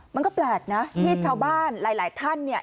มันก็แปลกนะที่ชาวบ้านหลายท่านเนี่ย